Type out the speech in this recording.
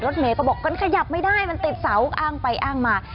เมย์ก็บอกมันขยับไม่ได้มันติดเสาอ้างไปอ้างมา